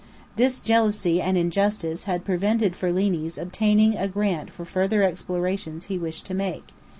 This jealousy and injustice had prevented Ferlini's obtaining a grant for further explorations he wished to make.